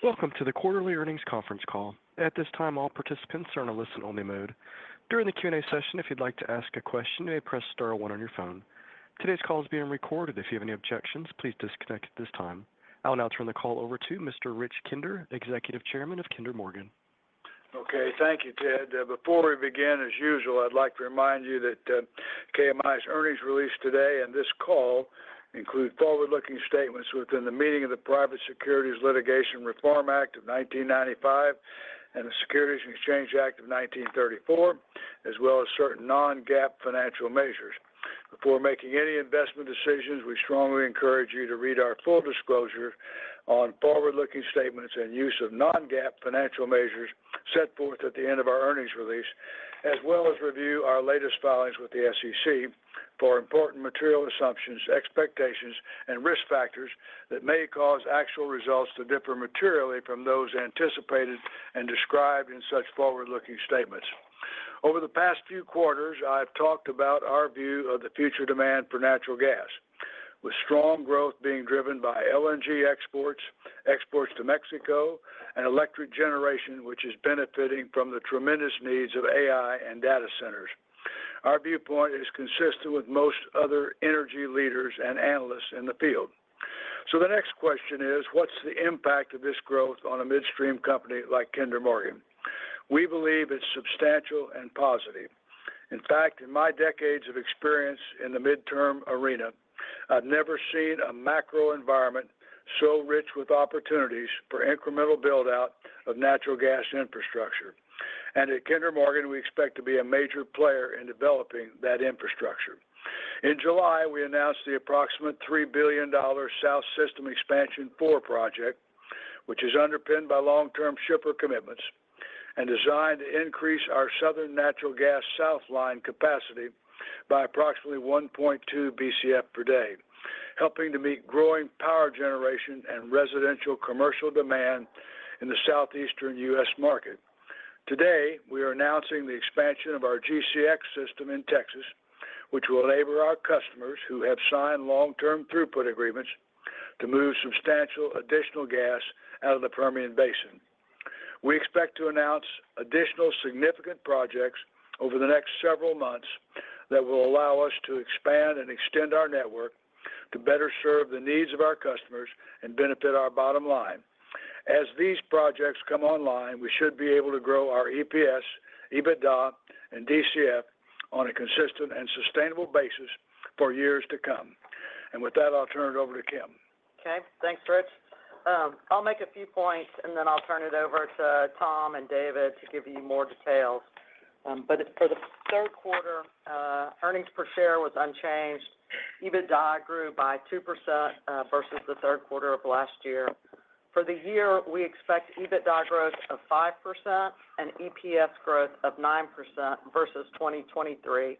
Welcome to the last to the quarterly earnings conference call. At this time, all participants are in a listen-only mode. During the Q&A session, if you'd like to ask a question, you may press star one on your phone. Today's call is being recorded. If you have any objections, please disconnect at this time. I'll now turn the call over to Mr. Rich Kinder, Executive Chairman of Kinder Morgan. Okay, thank you, Ted. Before we begin, as usual, I'd like to remind you that KMI's earnings release today and this call include forward-looking statements within the meaning of the Private Securities Litigation Reform Act of 1995 and the Securities and Exchange Act of 1934, as well as certain non-GAAP financial measures. Before making any investment decisions, we strongly encourage you to read our full disclosure on forward-looking statements and use of non-GAAP financial measures set forth at the end of our earnings release, as well as review our latest filings with the SEC for important material assumptions, expectations, and risk factors that may cause actual results to differ materially from those anticipated and described in such forward-looking statements. Over the past few quarters, I've talked about our view of the future demand for natural gas, with strong growth being driven by LNG exports, exports to Mexico, and electric generation, which is benefiting from the tremendous needs of AI and data centers. Our viewpoint is consistent with most other energy leaders and analysts in the field. So the next question is, what's the impact of this growth on a midstream company like Kinder Morgan? We believe it's substantial and positive. In fact, in my decades of experience in the midstream arena, I've never seen a macro environment so rich with opportunities for incremental build-out of natural gas infrastructure, and at Kinder Morgan, we expect to be a major player in developing that infrastructure. In July, we announced the approximate $3 billion South System Expansion 4 project, which is underpinned by long-term shipper commitments and designed to increase our Southern Natural Gas South line capacity by approximately 1.2 BCF per day, helping to meet growing power generation and residential commercial demand in the Southeastern U.S. market. Today, we are announcing the expansion of our GCX system in Texas, which will enable our customers who have signed long-term throughput agreements to move substantial additional gas out of the Permian Basin. We expect to announce additional significant projects over the next several months that will allow us to expand and extend our network to better serve the needs of our customers and benefit our bottom line. As these projects come online, we should be able to grow our EPS, EBITDA, and DCF on a consistent and sustainable basis for years to come. With that, I'll turn it over to Kim. Okay, thanks, Rich. I'll make a few points, and then I'll turn it over to Tom and David to give you more details, but for the third quarter, earnings per share was unchanged. EBITDA grew by 2%, versus the third quarter of last year. For the year, we expect EBITDA growth of 5% and EPS growth of 9% versus 2023,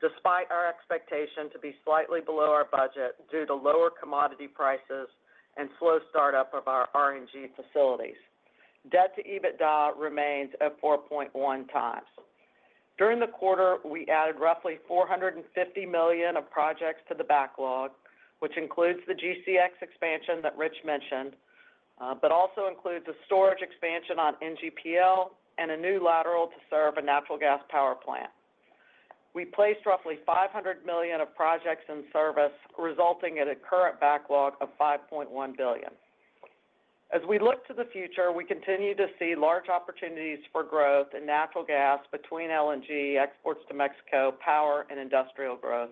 despite our expectation to be slightly below our budget due to lower commodity prices and slow startup of our RNG facilities. Debt to EBITDA remains at 4.1x. During the quarter, we added roughly $450 million of projects to the backlog, which includes the GCX expansion that Rich mentioned, but also includes a storage expansion on NGPL and a new lateral to serve a natural gas power plant. We placed roughly $500 million of projects in service, resulting in a current backlog of $5.1 billion. As we look to the future, we continue to see large opportunities for growth in natural gas between LNG exports to Mexico, power, and industrial growth.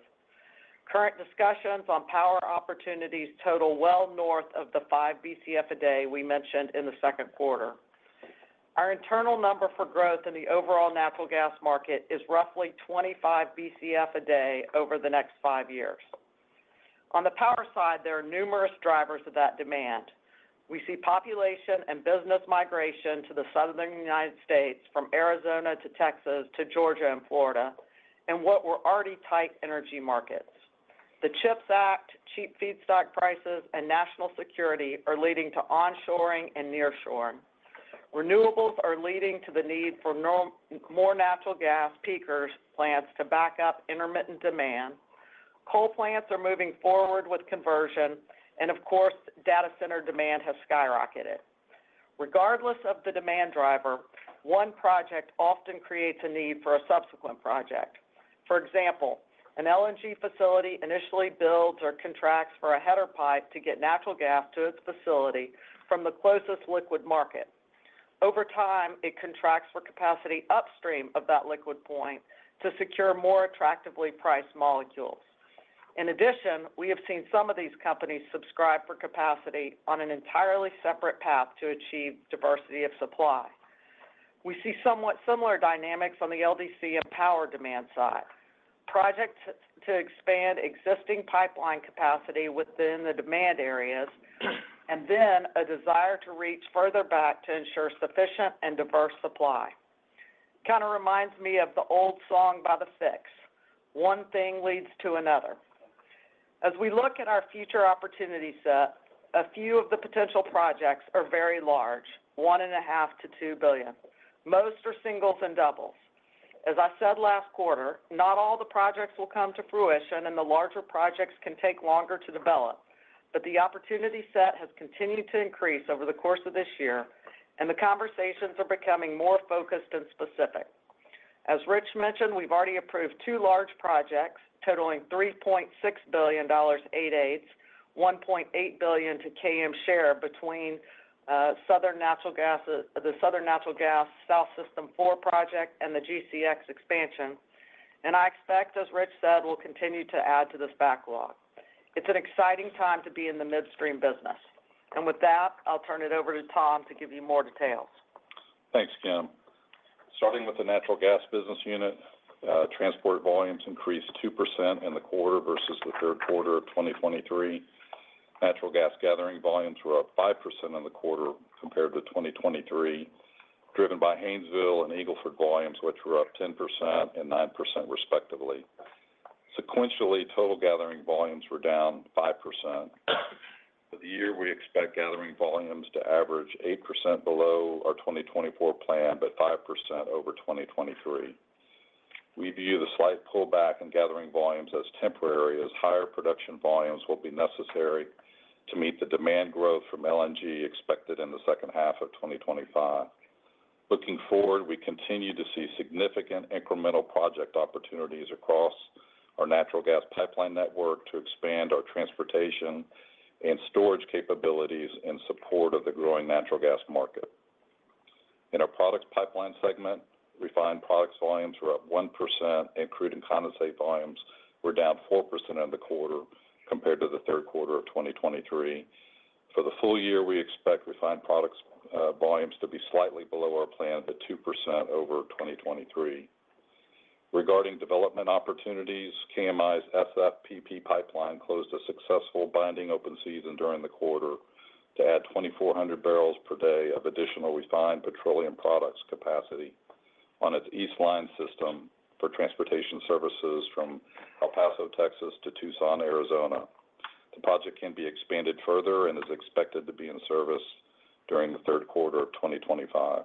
Current discussions on power opportunities total well north of the 5 BCF a day we mentioned in the second quarter. Our internal number for growth in the overall natural gas market is roughly 25 BCF a day over the next 5 years. On the power side, there are numerous drivers of that demand. We see population and business migration to the Southern United States, from Arizona to Texas to Georgia and Florida, and what were already tight energy markets. The CHIPS Act, cheap feedstock prices, and national security are leading to onshoring and nearshoring. Renewables are leading to the need for more natural gas peaker plants to back up intermittent demand. Coal plants are moving forward with conversion, and of course, data center demand has skyrocketed. Regardless of the demand driver, one project often creates a need for a subsequent project. For example, an LNG facility initially builds or contracts for a header pipe to get natural gas to its facility from the closest liquid market. Over time, it contracts for capacity upstream of that liquid point to secure more attractively priced molecules. In addition, we have seen some of these companies subscribe for capacity on an entirely separate path to achieve diversity of supply. We see somewhat similar dynamics on the LDC and power demand side. Projects to expand existing pipeline capacity within the demand areas, and then a desire to reach further back to ensure sufficient and diverse supply. Kind of reminds me of the old song by The Fixx, One Thing Leads to Another. As we look at our future opportunity set, a few of the potential projects are very large, $1.5-$2 billion. Most are singles and doubles. As I said last quarter, not all the projects will come to fruition, and the larger projects can take longer to develop. But the opportunity set has continued to increase over the course of this year, and the conversations are becoming more focused and specific. As Rich mentioned, we've already approved two large projects totaling $3.6 billion 8/8ths, $1.8 billion to KM share between Southern Natural Gas, the Southern Natural Gas South System 4 project and the GCX expansion. And I expect, as Rich said, we'll continue to add to this backlog. It's an exciting time to be in the midstream business, and with that, I'll turn it over to Tom to give you more details. Thanks, Kim. Starting with the natural gas business unit, transport volumes increased 2% in the quarter versus the third quarter of 2023. Natural gas gathering volumes were up 5% in the quarter compared to 2023, driven by Haynesville and Eagle Ford volumes, which were up 10% and 9% respectively. Sequentially, total gathering volumes were down 5%. For the year, we expect gathering volumes to average 8% below our 2024 plan, but 5% over 2023. We view the slight pullback in gathering volumes as temporary, as higher production volumes will be necessary to meet the demand growth from LNG expected in the second half of 2025. Looking forward, we continue to see significant incremental project opportunities across our natural gas pipeline network to expand our transportation and storage capabilities in support of the growing natural gas market. In our products pipeline segment, refined products volumes were up 1%, and crude and condensate volumes were down 4% in the quarter compared to the third quarter of 2023. For the full year, we expect refined products volumes to be slightly below our plan, but 2% over 2023. Regarding development opportunities, KMI's SFPP pipeline closed a successful binding open season during the quarter to add 2,400 barrels per day of additional refined petroleum products capacity on its East Line system for transportation services from El Paso, Texas to Tucson, Arizona. The project can be expanded further and is expected to be in service during the third quarter of 2025.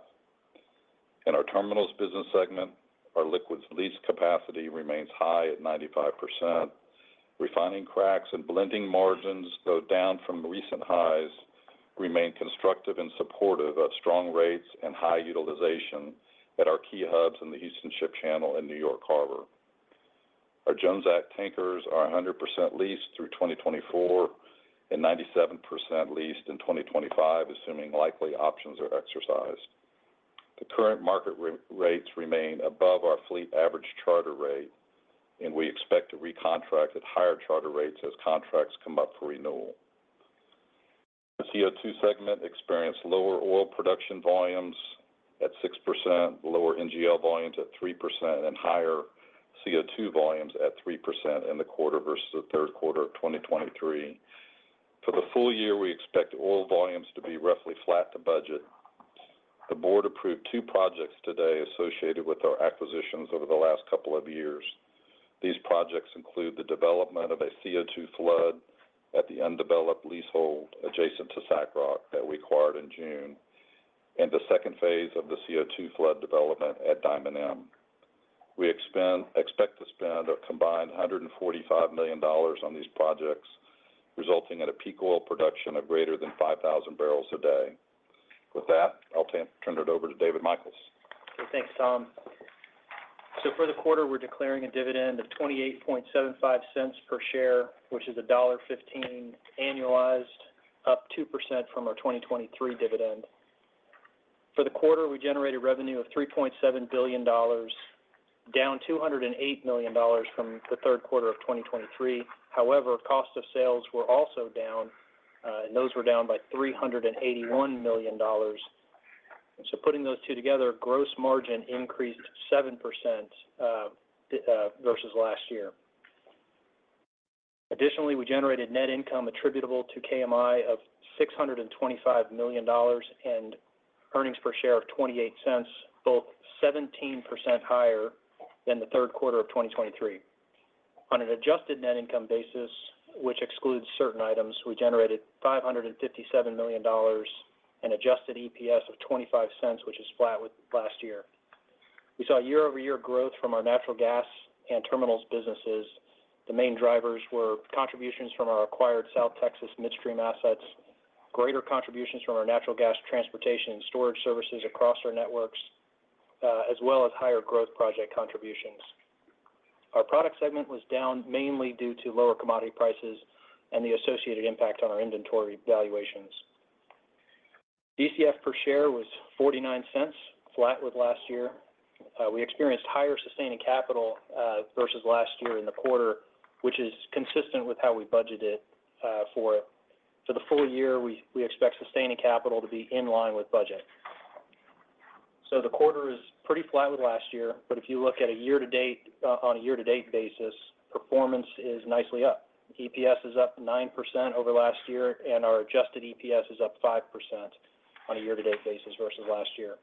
In our terminals business segment, our liquids lease capacity remains high at 95%. Refining cracks and blending margins, though down from recent highs, remain constructive and supportive of strong rates and high utilization at our key hubs in the Houston Ship Channel and New York Harbor. Our Jones Act tankers are 100% leased through 2024, and 97% leased in 2025, assuming likely options are exercised. The current market rerates remain above our fleet average charter rate, and we expect to recontract at higher charter rates as contracts come up for renewal. The CO2 segment experienced lower oil production volumes at 6%, lower NGL volumes at 3%, and higher CO2 volumes at 3% in the quarter versus the third quarter of 2023. For the full year, we expect oil volumes to be roughly flat to budget. The board approved two projects today associated with our acquisitions over the last couple of years. These projects include the development of a CO2 flood at the undeveloped leasehold adjacent to SACROC that we acquired in June, and the second phase of the CO2 flood development at Diamond M. We expect to spend a combined $145 million on these projects, resulting in a peak oil production of greater than 5,000 barrels a day. With that, I'll turn it over to David Michels. Okay, thanks, Tom. So for the quarter, we're declaring a dividend of $0.2875 per share, which is $1.15 annualized, up 2% from our 2023 dividend. For the quarter, we generated revenue of $3.7 billion, down $208 million from the third quarter of 2023. However, cost of sales were also down, and those were down by $381 million. So putting those two together, gross margin increased 7%, versus last year. Additionally, we generated net income attributable to KMI of $625 million, and earnings per share of $0.28, both 17% higher than the third quarter of 2023. On an adjusted net income basis, which excludes certain items, we generated $557 million and adjusted EPS of $0.25, which is flat with last year. We saw year-over-year growth from our natural gas and terminals businesses. The main drivers were contributions from our acquired South Texas midstream assets, greater contributions from our natural gas transportation and storage services across our networks, as well as higher growth project contributions. Our product segment was down mainly due to lower commodity prices and the associated impact on our inventory valuations. DCF per share was $0.49, flat with last year. We experienced higher sustaining capital versus last year in the quarter, which is consistent with how we budgeted for it. For the full year, we expect sustaining capital to be in line with budget. The quarter is pretty flat with last year, but if you look at a year to date, on a year-to-date basis, performance is nicely up. EPS is up 9% over last year, and our adjusted EPS is up 5% on a year to date basis versus last year.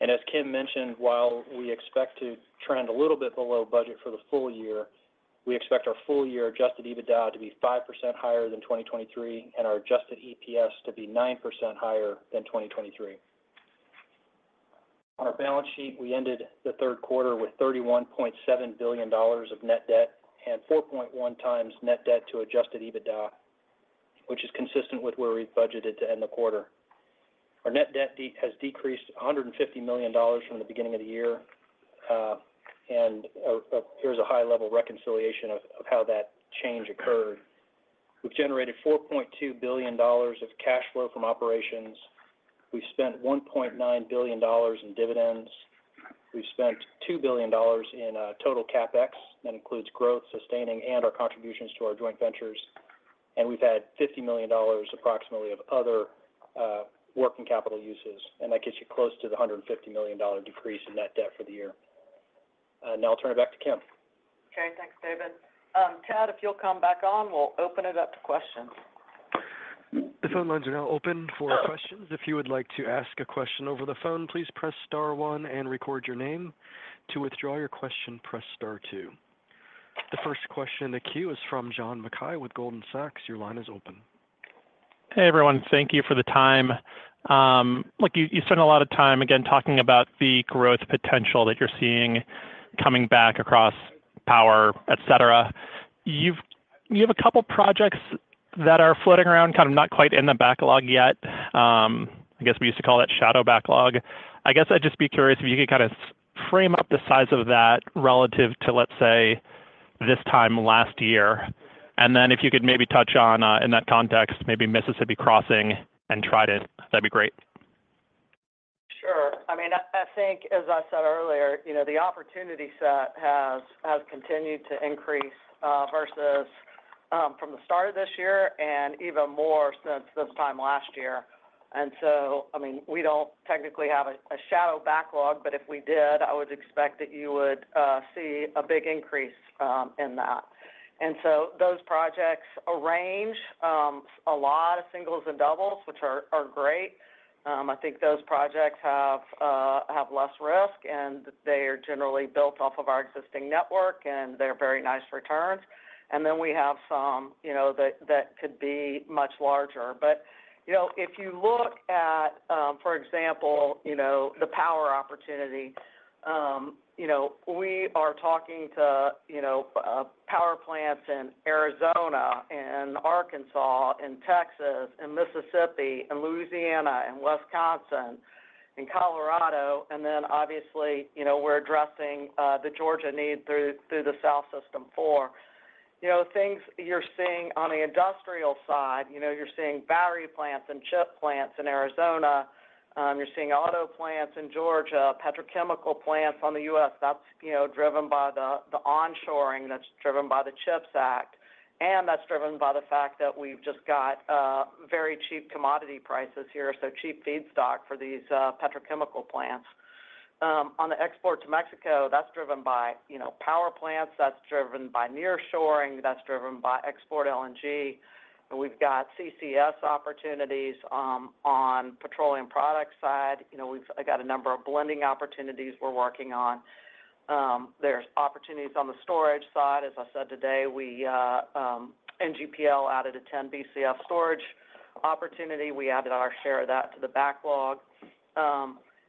As Kim mentioned, while we expect to trend a little bit below budget for the full year-... we expect our full-year adjusted EBITDA to be 5% higher than 2023, and our adjusted EPS to be 9% higher than 2023. On our balance sheet, we ended the third quarter with $31.7 billion of net debt and 4.1x net debt to adjusted EBITDA, which is consistent with where we budgeted to end the quarter. Our net debt has decreased $150 million from the beginning of the year, and here's a high-level reconciliation of how that change occurred. We've generated $4.2 billion of cash flow from operations. We've spent $1.9 billion in dividends. We've spent $2 billion in total CapEx. That includes growth, sustaining, and our contributions to our joint ventures. And we've had $50 million, approximately, of other working capital uses, and that gets you close to the $150 million decrease in net debt for the year. Now I'll turn it back to Kim. Okay, thanks, David. Chad, if you'll come back on, we'll open it up to questions. The phone lines are now open for questions. If you would like to ask a question over the phone, please press star one and record your name. To withdraw your question, press star two. The first question in the queue is from John Mackay with Goldman Sachs. Your line is open. Hey, everyone. Thank you for the time. Look, you spent a lot of time, again, talking about the growth potential that you're seeing coming back across power, et cetera. You have a couple projects that are floating around, kind of not quite in the backlog yet. I guess, we used to call that shadow backlog. I guess I'd just be curious if you could kind of frame up the size of that relative to, let's say, this time last year. And then if you could maybe touch on, in that context, maybe Mississippi Crossing and Trident. That'd be great. Sure. I mean, I think, as I said earlier, you know, the opportunity set has continued to increase versus from the start of this year and even more since this time last year. And so, I mean, we don't technically have a shadow backlog, but if we did, I would expect that you would see a big increase in that. And so those projects range a lot of singles and doubles, which are great. I think those projects have less risk, and they are generally built off of our existing network, and they're very nice returns. And then we have some, you know, that could be much larger. But you know, if you look at, for example, you know, the power opportunity, you know, we are talking to you know, power plants in Arizona and Arkansas, and Texas, and Mississippi, and Louisiana, and Wisconsin, and Colorado, and then obviously, you know, we're addressing the Georgia need through the South System 4. You know, things you're seeing on the industrial side, you know, you're seeing battery plants and chip plants in Arizona, you're seeing auto plants in Georgia, petrochemical plants on the U.S. That's you know, driven by the onshoring, that's driven by the CHIPS Act, and that's driven by the fact that we've just got very cheap commodity prices here, so cheap feedstock for these petrochemical plants. On the export to Mexico, that's driven by you know, power plants, that's driven by nearshoring, that's driven by export LNG. We've got CCS opportunities on petroleum products side. You know, we've got a number of blending opportunities we're working on. There's opportunities on the storage side. As I said today, we NGPL added a ten BCF storage opportunity. We added our share of that to the backlog.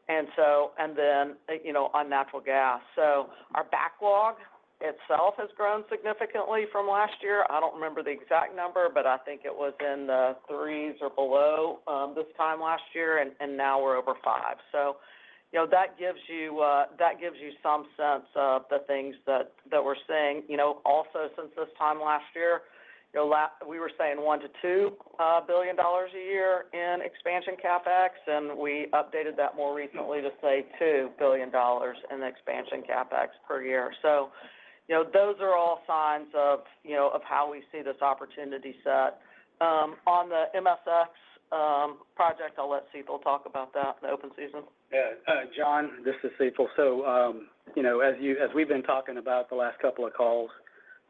And then, you know, on natural gas. Our backlog itself has grown significantly from last year. I don't remember the exact number, but I think it was in the threes or below this time last year, and now we're over five. So, you know, that gives you some sense of the things that we're seeing. You know, also, since this time last year, you know, we were saying $1 billion-$2 billion a year in expansion CapEx, and we updated that more recently to say $2 billion in expansion CapEx per year. So, you know, those are all signs of, you know, of how we see this opportunity set. On the MSX project, I'll let Sital talk about that, the open season. Yeah, John, this is Sital. So, you know, as you, as we've been talking about the last couple of calls,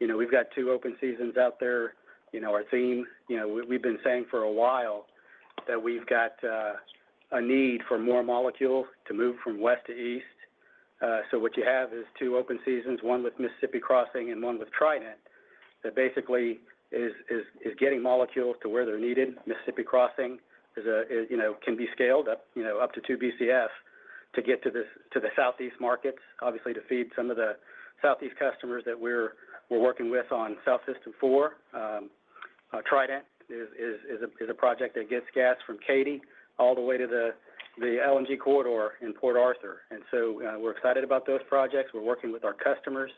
you know, we've got two open seasons out there. You know, our team, you know, we've been saying for a while that we've got a need for more molecules to move from west to east. So what you have is two open seasons, one with Mississippi Crossing and one with Trident, that basically is getting molecules to where they're needed. Mississippi Crossing is a, you know, can be scaled up, you know, up to two BCF to get to this, to the Southeast markets, obviously, to feed some of the Southeast customers that we're working with on South System 4. Trident is a project that gets gas from Katy all the way to the LNG corridor in Port Arthur, and so we're excited about those projects. We're working with our customers.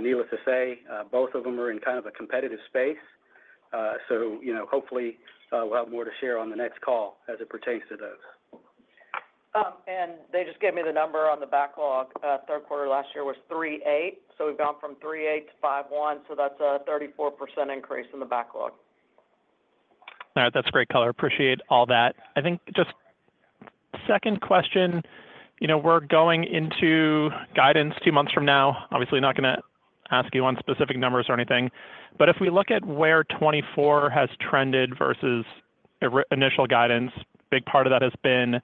Needless to say, both of them are in kind of a competitive space, so you know, hopefully we'll have more to share on the next call as it pertains to those. They just gave me the number on the backlog. Third quarter last year was 3.8, so we've gone from 3.8-5.1, so that's a 34% increase in the backlog. All right. That's great color. Appreciate all that. I think just second question, you know, we're going into guidance two months from now. Obviously, not going to ask you on specific numbers or anything, but if we look at where 2024 has trended versus our initial guidance, big part of that has been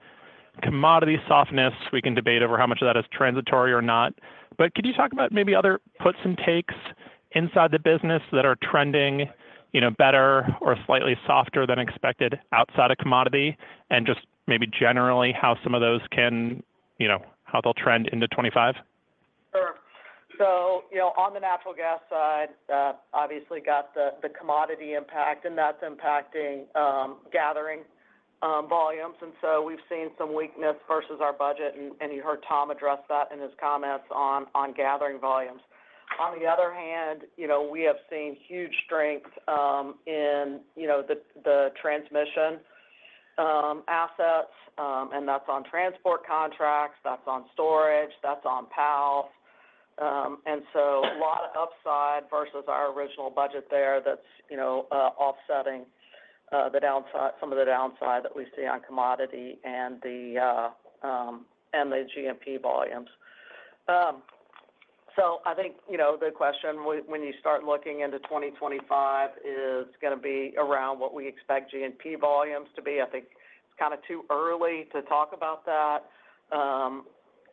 commodity softness, we can debate over how much of that is transitory or not. But could you talk about maybe other puts and takes inside the business that are trending, you know, better or slightly softer than expected outside of commodity? And just maybe generally, how some of those can, you know, how they'll trend into 2025? Sure. So, you know, on the natural gas side, obviously got the commodity impact, and that's impacting gathering volumes. And so we've seen some weakness versus our budget, and you heard Tom address that in his comments on gathering volumes. On the other hand, you know, we have seen huge strength in the transmission assets, and that's on transport contracts, that's on storage, that's on PAL. And so a lot of upside versus our original budget there that's, you know, offsetting the downside, some of the downside that we see on commodity and the G&P volumes. So I think, you know, the question when you start looking into 2025 is gonna be around what we expect G&P volumes to be. I think it's kind of too early to talk about that.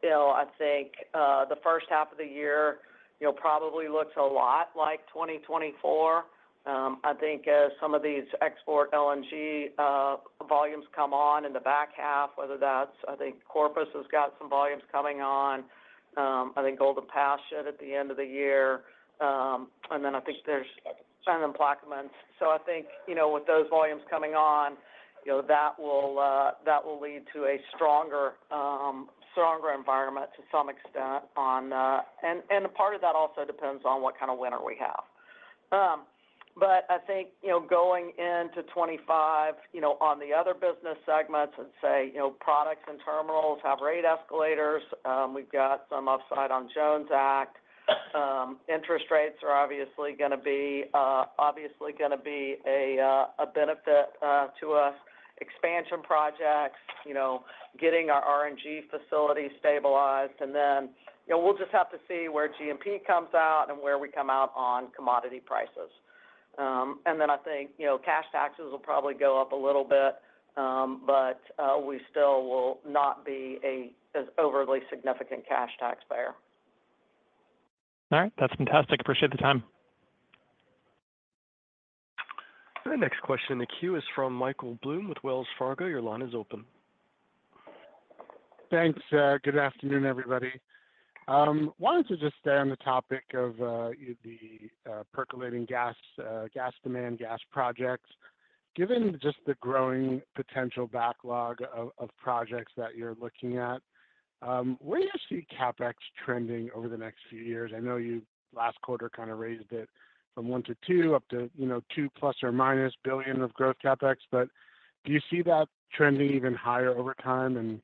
You know, I think the first half of the year, you know, probably looks a lot like 2024. I think as some of these export LNG volumes come on in the back half, whether that's, I think Corpus has got some volumes coming on. I think Golden Pass should at the end of the year, and then I think there's Plaquemines. So I think, you know, with those volumes coming on, you know, that will, that will lead to a stronger, stronger environment to some extent on. A part of that also depends on what kind of winter we have. But I think, you know, going into 2025, you know, on the other business segments and, say, you know, products and terminals have rate escalators. We've got some upside on Jones Act. Interest rates are obviously gonna be a benefit to us. Expansion projects, you know, getting our RNG facility stabilized, and then, you know, we'll just have to see where G&P comes out and where we come out on commodity prices. And then I think, you know, cash taxes will probably go up a little bit, but we still will not be as overly significant cash taxpayer. All right. That's fantastic. Appreciate the time. The next question in the queue is from Michael Blum with Wells Fargo. Your line is open. Thanks. Good afternoon, everybody. Wanted to just stay on the topic of the percolating gas, gas demand, gas projects. Given just the growing potential backlog of projects that you're looking at, where do you see CapEx trending over the next few years? I know you last quarter kind of raised it from $1 billion-$2 billion, up to, you know, ±$2 billion of growth CapEx, but do you see that trending even higher over time? And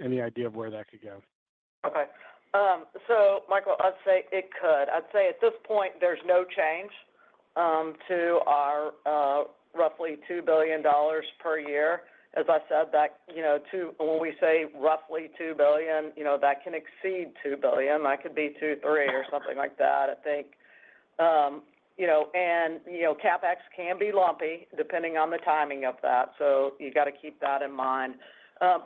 any idea of where that could go? Okay. So, Michael, I'd say it could. I'd say at this point, there's no change to our roughly $2 billion per year. As I said, that, you know, two—when we say roughly $2 billion, you know, that can exceed $2 billion. That could be $2 billion-$3 billion or something like that, I think. You know, and, you know, CapEx can be lumpy, depending on the timing of that. So you got to keep that in mind.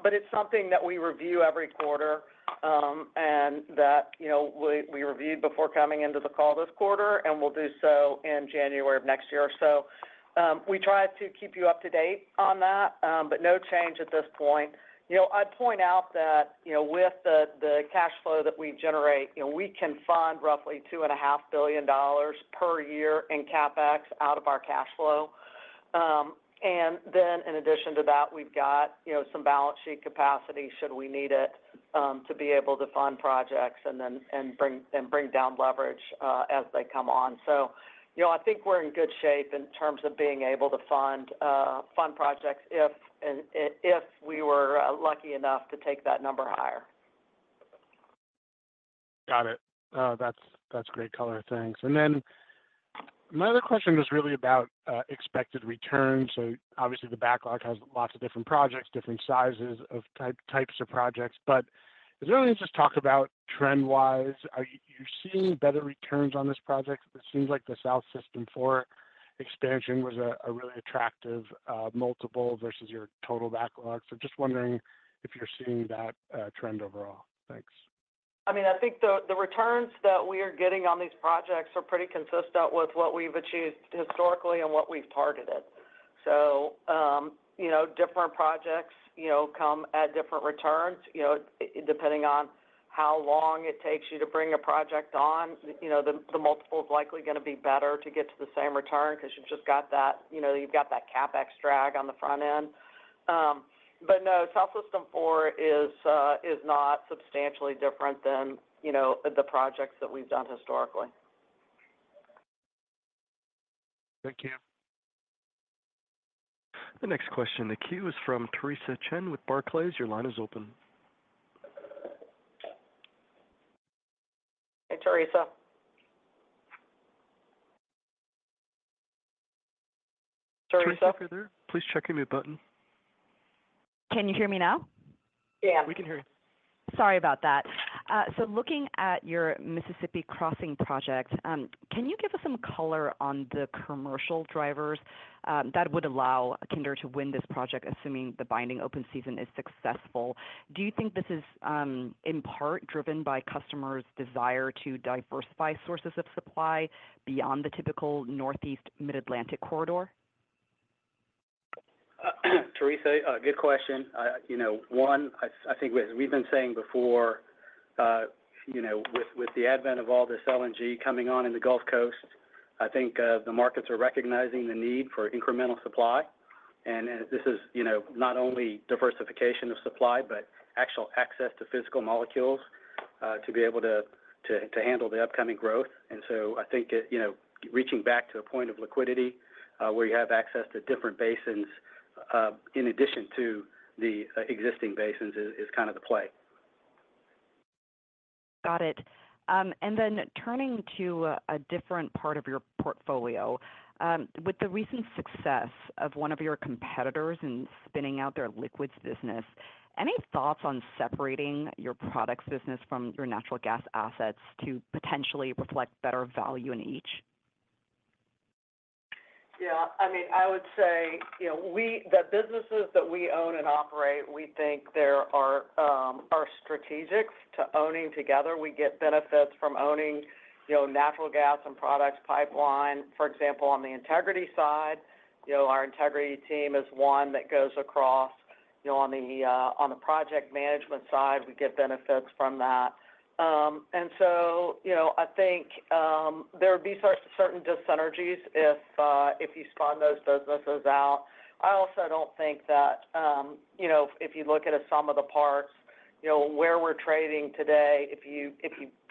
But it's something that we review every quarter, and that, you know, we reviewed before coming into the call this quarter, and we'll do so in January of next year. So, we try to keep you up to date on that, but no change at this point. You know, I'd point out that, you know, with the cash flow that we generate, you know, we can fund roughly $2.5 billion per year in CapEx out of our cash flow. And then in addition to that, we've got, you know, some balance sheet capacity, should we need it, to be able to fund projects and then and bring down leverage as they come on. So, you know, I think we're in good shape in terms of being able to fund projects if and if we were lucky enough to take that number higher. Got it. That's, that's great color. Thanks. And then my other question was really about expected returns. So obviously, the backlog has lots of different projects, different sizes of type, types of projects. But I was wondering, let's just talk about trend-wise. Are you seeing better returns on this project? It seems like the South System Expansion 4 was a really attractive multiple versus your total backlog. So just wondering if you're seeing that trend overall. Thanks. I mean, I think the returns that we are getting on these projects are pretty consistent with what we've achieved historically and what we've targeted. So, you know, different projects, you know, come at different returns. You know, depending on how long it takes you to bring a project on, you know, the multiple is likely gonna be better to get to the same return because you've just got that, you know, you've got that CapEx drag on the front end, but no, South System 4 is not substantially different than, you know, the projects that we've done historically. Thank you. The next question in the queue is from Theresa Chen with Barclays. Your line is open. Hey, Theresa. Teresa? Theresa, are you there? Please check your mute button. Can you hear me now? Yeah. We can hear you.... Sorry about that. So looking at your Mississippi Crossing project, can you give us some color on the commercial drivers that would allow Kinder to win this project, assuming the binding open season is successful? Do you think this is in part driven by customers' desire to diversify sources of supply beyond the typical Northeast Mid-Atlantic corridor? Theresa, a good question. You know, one, I think as we've been saying before, you know, with the advent of all this LNG coming on in the Gulf Coast, I think the markets are recognizing the need for incremental supply. And this is, you know, not only diversification of supply, but actual access to physical molecules to be able to handle the upcoming growth. And so I think that, you know, reaching back to a point of liquidity where you have access to different basins in addition to the existing basins is kind of the play. Got it. And then turning to a different part of your portfolio. With the recent success of one of your competitors in spinning out their liquids business, any thoughts on separating your products business from your natural gas assets to potentially reflect better value in each? Yeah, I mean, I would say, you know, we, the businesses that we own and operate, we think there are synergies to owning together. We get benefits from owning, you know, natural gas and products pipeline. For example, on the integrity side, you know, our integrity team is one that goes across. You know, on the project management side, we get benefits from that. And so, you know, I think there would be certain dyssynergies if you spun those businesses out. I also don't think that, you know, if you look at a sum of the parts, you know, where we're trading today, if you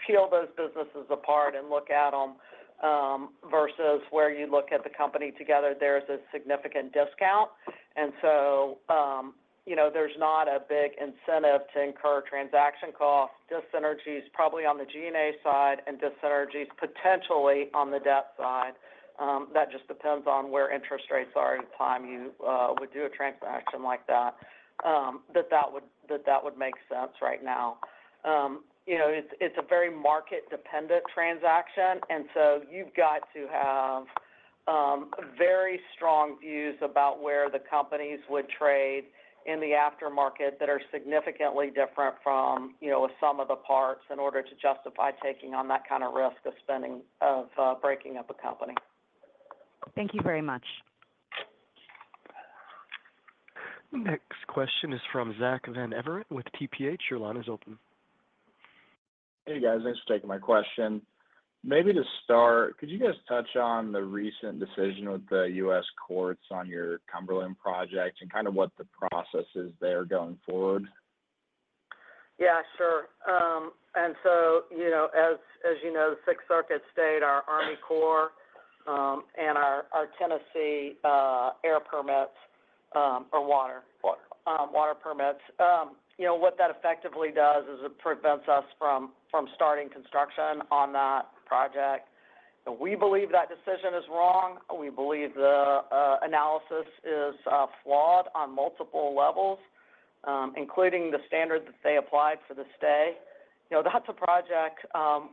peel those businesses apart and look at them versus where you look at the company together, there's a significant discount. And so, you know, there's not a big incentive to incur transaction costs, dyssynergies, probably on the GNA side, and dyssynergies potentially on the debt side. That just depends on where interest rates are at the time you would do a transaction like that, that would make sense right now. You know, it's a very market-dependent transaction, and so you've got to have very strong views about where the companies would trade in the aftermarket that are significantly different from, you know, a sum of the parts in order to justify taking on that kind of risk of breaking up a company. Thank you very much. Next question is from Zach Van Everen with TPH. Your line is open. Hey, guys. Thanks for taking my question. Maybe to start, could you guys touch on the recent decision with the U.S. courts on your Cumberland Project and kind of what the process is there going forward? Yeah, sure. And so, you know, as you know, the Sixth Circuit stayed our Army Corps, and our Tennessee air permits, or water,... water permits. You know, what that effectively does is it prevents us from starting construction on that project. We believe that decision is wrong. We believe the analysis is flawed on multiple levels, including the standard that they applied for the stay. You know, that's a project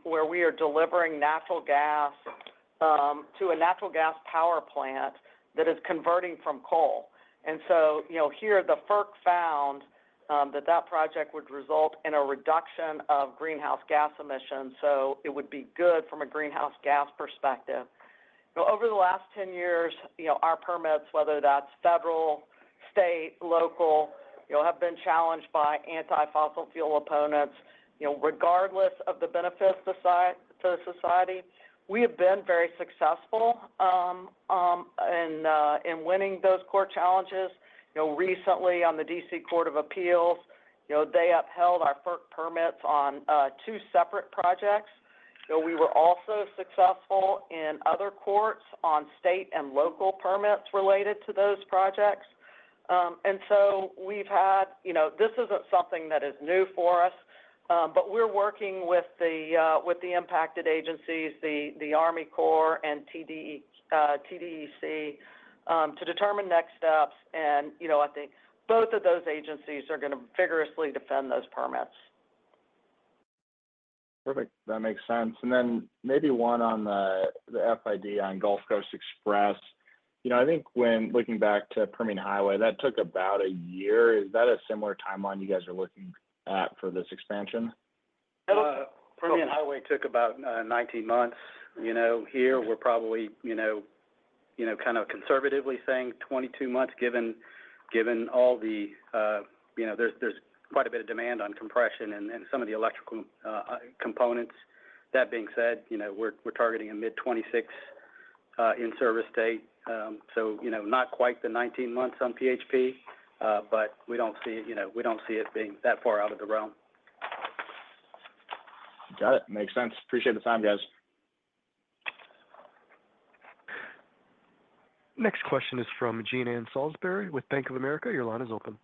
where we are delivering natural gas to a natural gas power plant that is converting from coal. And so, you know, here, the FERC found that that project would result in a reduction of greenhouse gas emissions, so it would be good from a greenhouse gas perspective. You know, over the last ten years, you know, our permits, whether that's federal, state, local, you know, have been challenged by anti-fossil fuel opponents, you know, regardless of the benefits to society. We have been very successful in winning those court challenges. You know, recently on the D.C. Court of Appeals, you know, they upheld our FERC permits on two separate projects. So we were also successful in other courts on state and local permits related to those projects. You know, this isn't something that is new for us, but we're working with the impacted agencies, the Army Corps and TDEC, to determine next steps, and you know, I think both of those agencies are going to vigorously defend those permits. Perfect. That makes sense. And then maybe one on the FID on Gulf Coast Express. You know, I think when looking back to Permian Highway, that took about a year. Is that a similar timeline you guys are looking at for this expansion? Permian Highway took about nineteen months. You know, here we're probably, you know, kind of conservatively saying twenty-two months, given all the, you know, there's quite a bit of demand on compression and some of the electrical components. That being said, you know, we're targeting a mid-2026 in-service date. So, you know, not quite the nineteen months on PHP, but we don't see it being that far out of the realm. Got it. Makes sense. Appreciate the time, guys. Next question is from Jean Ann Salisbury with Bank of America. Your line is open.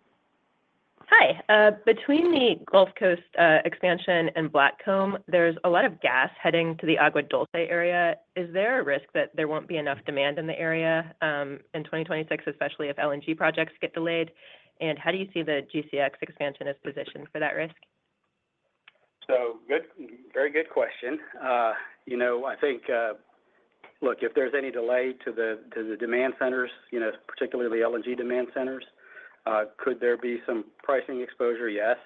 Hi. Between the Gulf Coast expansion and Blackcomb, there's a lot of gas heading to the Agua Dulce area. Is there a risk that there won't be enough demand in the area in 2026, especially if LNG projects get delayed? And how do you see the GCX expansion as positioned for that risk?... So good, very good question. You know, I think, look, if there's any delay to the demand centers, you know, particularly the LNG demand centers, could there be some pricing exposure? Yes.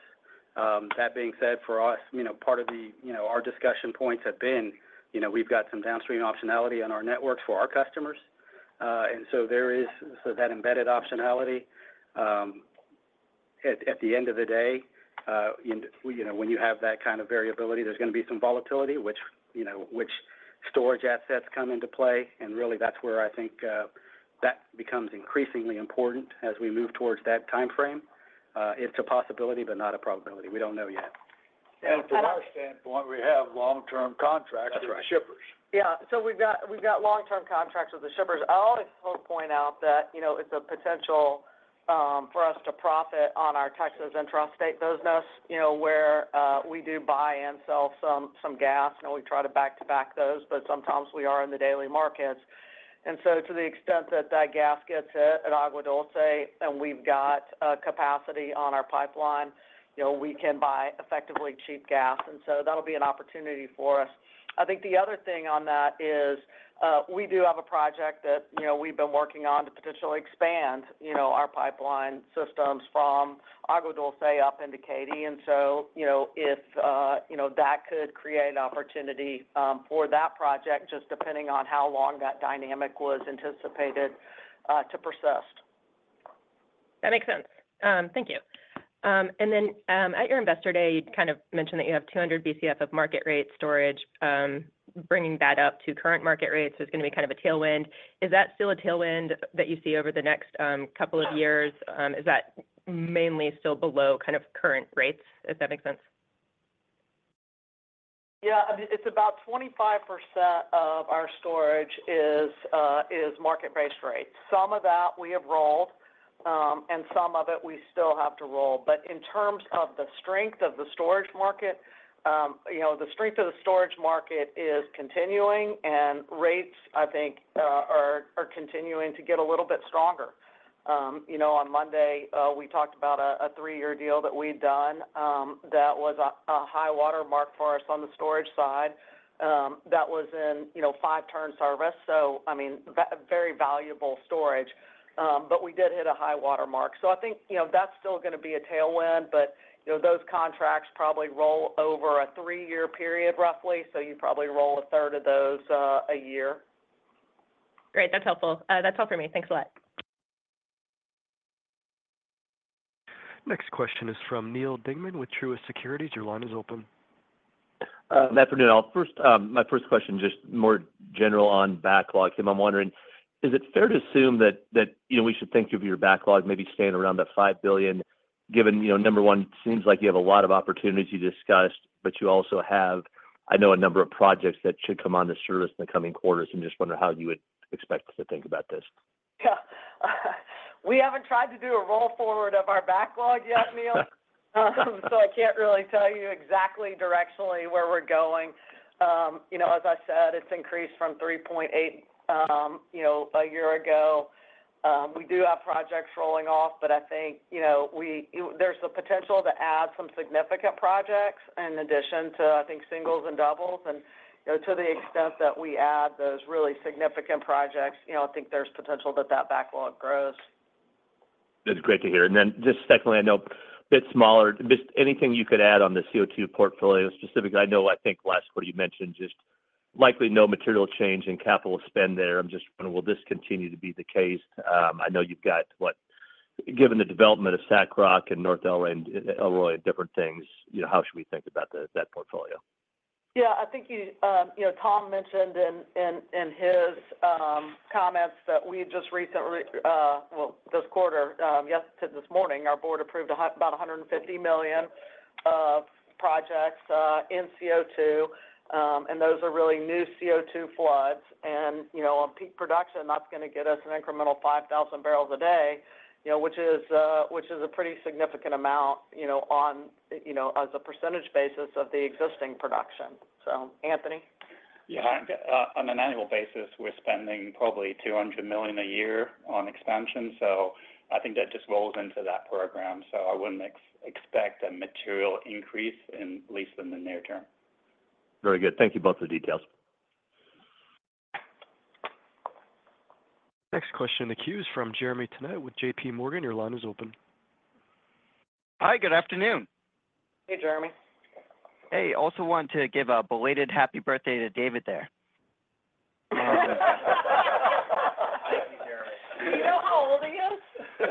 That being said, for us, you know, part of the our discussion points have been, you know, we've got some downstream optionality on our networks for our customers. And so there is so that embedded optionality, at the end of the day, you know, when you have that kind of variability, there's going to be some volatility, which, you know, which storage assets come into play. And really, that's where I think that becomes increasingly important as we move towards that timeframe. It's a possibility, but not a probability. We don't know yet. From our standpoint, we have long-term contracts with shippers. Yeah. So we've got long-term contracts with the shippers. I'll also point out that, you know, it's a potential for us to profit on our Texas intrastate business, you know, where we do buy and sell some gas, and we try to back-to-back those, but sometimes we are in the daily markets. And so to the extent that that gas gets hit at Agua Dulce, and we've got a capacity on our pipeline, you know, we can buy effectively cheap gas, and so that'll be an opportunity for us. I think the other thing on that is, we do have a project that, you know, we've been working on to potentially expand, you know, our pipeline systems from Agua Dulce up into Katy. And so, you know, if you know, that could create an opportunity for that project, just depending on how long that dynamic was anticipated to persist. That makes sense. Thank you. Then, at your Investor Day, you kind of mentioned that you have 200 BCF of market rate storage. Bringing that up to current market rates is going to be kind of a tailwind. Is that still a tailwind that you see over the next couple of years? Is that mainly still below kind of current rates, if that makes sense? Yeah. I mean, it's about 25% of our storage is market-based rates. Some of that we have rolled, and some of it we still have to roll. But in terms of the strength of the storage market, you know, the strength of the storage market is continuing, and rates, I think, are continuing to get a little bit stronger. You know, on Monday, we talked about a three-year deal that we'd done, that was a high watermark for us on the storage side. That was in five-turn service, so I mean, very valuable storage, but we did hit a high watermark. So I think, you know, that's still going to be a tailwind, but, you know, those contracts probably roll over a three-year period, roughly, so you probably roll a third of those, a year. Great. That's helpful. That's all for me. Thanks a lot. Next question is from Neil Dingman with Truist Securities. Your line is open. Good afternoon, all. First, my first question, just more general on backlog. Kim, I'm wondering: Is it fair to assume that, you know, we should think of your backlog maybe staying around that $5 billion, given, you know, number one, seems like you have a lot of opportunities you discussed, but you also have, I know, a number of projects that should come onto service in the coming quarters, and just wonder how you would expect us to think about this? Yeah. We haven't tried to do a roll forward of our backlog yet, Neil. So I can't really tell you exactly directionally where we're going. You know, as I said, it's increased from 3.8, you know, a year ago. We do have projects rolling off, but I think, you know, there's the potential to add some significant projects in addition to, I think, singles and doubles. You know, to the extent that we add those really significant projects, you know, I think there's potential that that backlog grows. That's great to hear. And then just secondly, I know a bit smaller, just anything you could add on the CO2 portfolio. Specifically, I know, I think, last quarter you mentioned just likely no material change in capital spend there. I'm just wondering, will this continue to be the case? I know you've got, what-- given the development of SACROC and North Elroy, different things, you know, how should we think about the- that portfolio? Yeah, I think you, you know, Tom mentioned in his comments that we just recently, well, this quarter, yes, to this morning, our board approved about $150 million projects in CO2. And those are really new CO2 floods. And, you know, on peak production, that's going to get us an incremental 5,000 barrels a day, you know, which is a pretty significant amount, you know, on, you know, as a percentage basis of the existing production. So, Anthony? Yeah. On an annual basis, we're spending probably $200 million a year on expansion, so I think that just rolls into that program. So I wouldn't expect a material increase, at least in the near term. Very good. Thank you both for the details. Next question in the queue is from Jeremy Tonet with JPMorgan. Your line is open. Hi, good afternoon. Hey, Jeremy. Hey, also want to give a belated happy birthday to David there. Thank you, Jeremy. Do you know how old he is?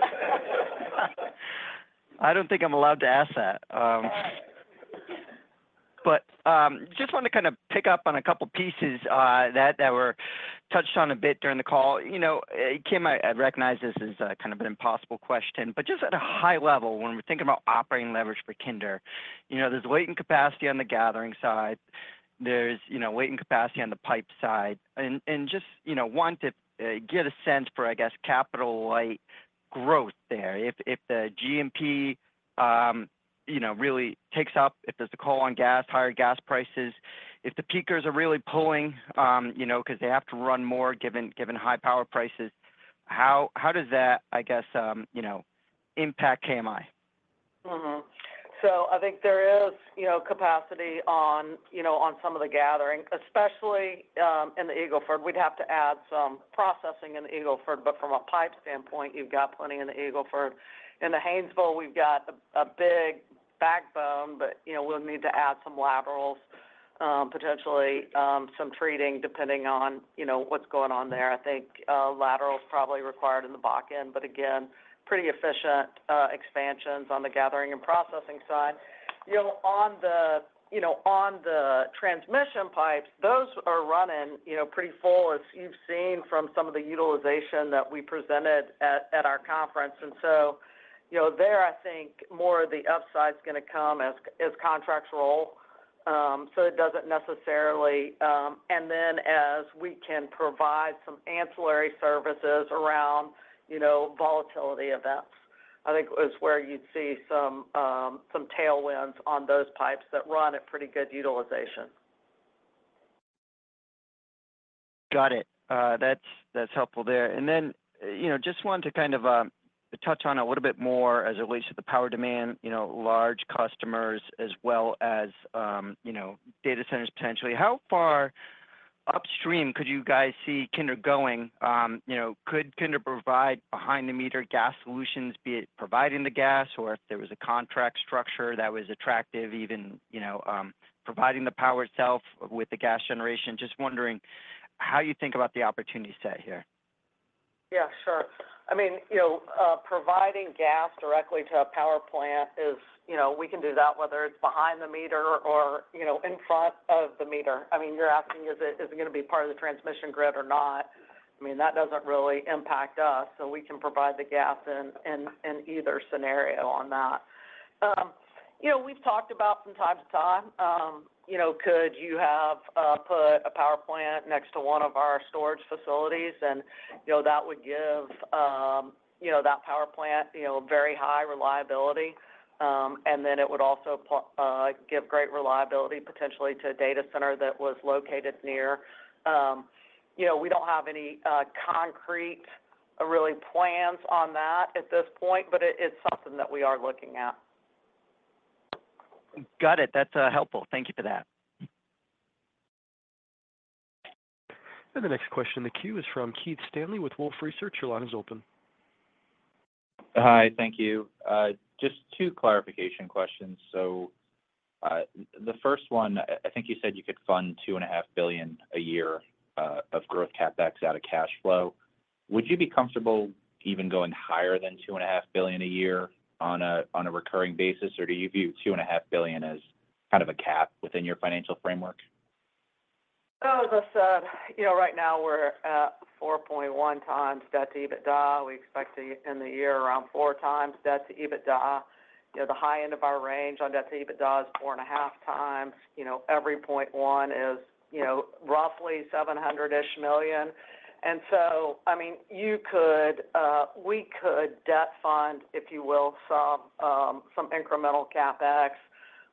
I don't think I'm allowed to ask that, but just wanted to kind of pick up on a couple pieces that were touched on a bit during the call. You know, Kim, I recognize this as kind of an impossible question, but just at a high level, when we're thinking about operating leverage for Kinder, you know, there's weight and capacity on the gathering side, there's you know, weight and capacity on the pipe side. And just you know, want to get a sense for, I guess, capital-light growth there. If the G&P you know, really takes up, if there's a call on gas, higher gas prices, if the peakers are really pulling, you know, because they have to run more, given high power prices, how does that, I guess, you know... impact KMI? Mm-hmm. So I think there is, you know, capacity on, you know, on some of the gathering, especially in the Eagle Ford. We'd have to add some processing in the Eagle Ford, but from a pipe standpoint, you've got plenty in the Eagle Ford. In the Haynesville, we've got a big backbone, but, you know, we'll need to add some laterals, potentially some treating, depending on, you know, what's going on there. I think lateral is probably required in the back end, but again, pretty efficient expansions on the gathering and processing side. You know, on the, you know, on the transmission pipes, those are running, you know, pretty full, as you've seen from some of the utilization that we presented at our conference. And so, you know, there, I think more of the upside is gonna come as contracts roll. So it doesn't necessarily, and then as we can provide some ancillary services around, you know, volatility events. I think is where you'd see some tailwinds on those pipes that run at pretty good utilization. Got it. That's helpful there, and then, you know, just wanted to kind of touch on a little bit more as it relates to the power demand, you know, large customers as well as, you know, data centers, potentially. How far upstream could you guys see Kinder going? You know, could Kinder provide behind-the-meter gas solutions, be it providing the gas, or if there was a contract structure that was attractive, even, you know, providing the power itself with the gas generation? Just wondering how you think about the opportunity set here. Yeah, sure. I mean, you know, providing gas directly to a power plant is, you know, we can do that, whether it's behind the meter or, you know, in front of the meter. I mean, you're asking, is it gonna be part of the transmission grid or not? I mean, that doesn't really impact us, so we can provide the gas in either scenario on that. You know, we've talked about from time to time, you know, could you have put a power plant next to one of our storage facilities? And, you know, that would give, you know, that power plant, you know, very high reliability. It would also give great reliability potentially to a data center that was located near. You know, we don't have any concrete really plans on that at this point, but it is something that we are looking at. Got it. That's helpful. Thank you for that. The next question in the queue is from Keith Stanley with Wolfe Research. Your line is open. Hi, thank you. Just two clarification questions. So, the first one, I think you said you could fund $2.5 billion a year of growth CapEx out of cash flow. Would you be comfortable even going higher than $2.5 billion a year on a recurring basis? Or do you view $2.5 billion as kind of a cap within your financial framework? Oh, as I said, you know, right now we're at 4.1x debt to EBITDA. We expect to, in the year, around 4x debt to EBITDA. You know, the high end of our range on debt to EBITDA is 4.5x. You know, every point one is, you know, roughly $700 million-ish. And so, I mean, you could, we could debt fund, if you will, some incremental CapEx,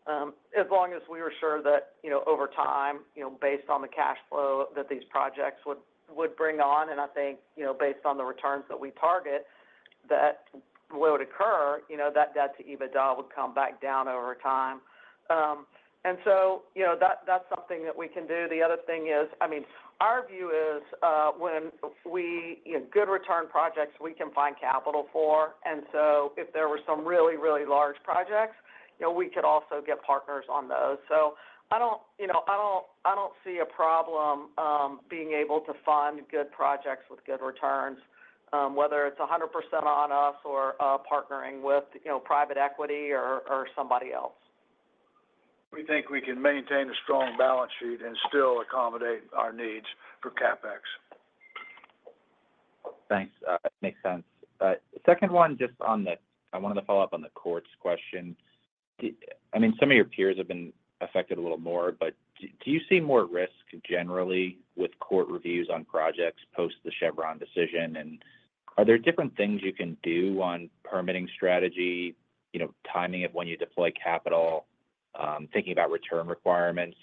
as long as we are sure that, you know, over time, you know, based on the cash flow that these projects would bring on, and I think, you know, based on the returns that we target, that would occur, you know, that debt to EBITDA would come back down over time. And so, you know, that's, that's something that we can do. The other thing is, I mean, our view is, when we, you know, good return projects, we can find capital for. And so if there were some really, really large projects, you know, we could also get partners on those. So I don't, you know, I don't see a problem, being able to fund good projects with good returns, whether it's 100% on us or, partnering with, you know, private equity or, or somebody else. We think we can maintain a strong balance sheet and still accommodate our needs for CapEx. Thanks. That makes sense. The second one, just on the I wanted to follow up on the courts question. I mean, some of your peers have been affected a little more, but do you see more risk generally with court reviews on projects post the Chevron decision? And are there different things you can do on permitting strategy, you know, timing of when you deploy capital, thinking about return requirements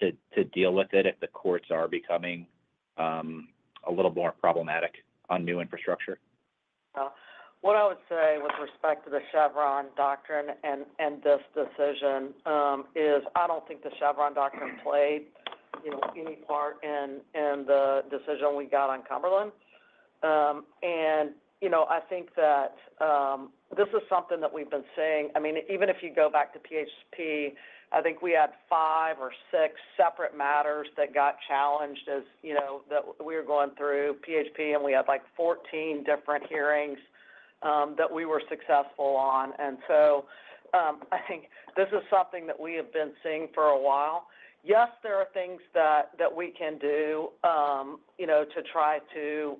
to deal with it if the courts are becoming a little more problematic on new infrastructure? What I would say with respect to the Chevron Doctrine and this decision is I don't think the Chevron Doctrine played, you know, any part in the decision we got on Cumberland. You know, I think that this is something that we've been seeing. I mean, even if you go back to PHP, I think we had five or six separate matters that got challenged, as you know, that we were going through PHP, and we had, like, 14 different hearings that we were successful on. So, I think this is something that we have been seeing for a while. Yes, there are things that we can do, you know, to try to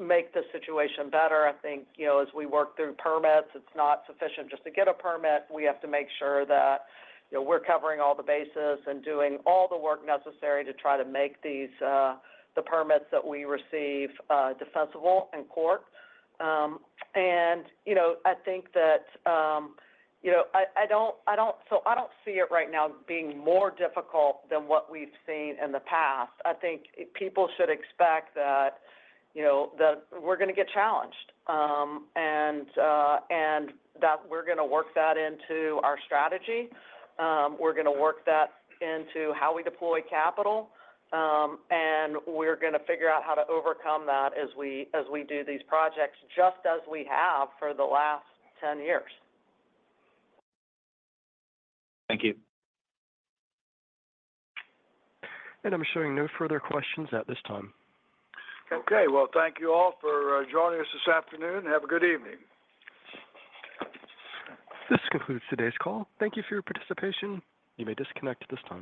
make the situation better. I think, you know, as we work through permits, it's not sufficient just to get a permit. We have to make sure that, you know, we're covering all the bases and doing all the work necessary to try to make these, the permits that we receive, defensible in court, and, you know, I think that, you know, I don't see it right now being more difficult than what we've seen in the past. I think people should expect that, you know, that we're gonna get challenged, and that we're gonna work that into our strategy. We're gonna work that into how we deploy capital, and we're gonna figure out how to overcome that as we do these projects, just as we have for the last 10 years. Thank you. I'm showing no further questions at this time. Okay. Well, thank you all for joining us this afternoon. Have a good evening. This concludes today's call. Thank you for your participation. You may disconnect at this time.